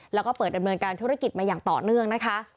แล้วก็เปิดดำเนินการธุรกิจมาอย่างต่อเนื่องนะคะ